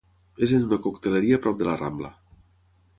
És en una cocteleria prop de la Rambla.